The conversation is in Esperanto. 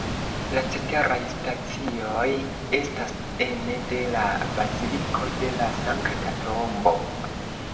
La ceteraj stacioj estas ene de la Baziliko de la Sankta Tombo.